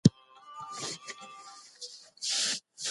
دښمن د هغه د زړورتیا له امله وېرېد.